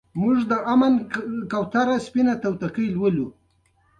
ساعت د وخت څخه پېلېږي.